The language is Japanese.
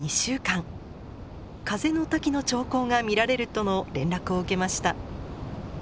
風の滝の兆候が見られるとの連絡を受けました。